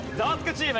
チーム。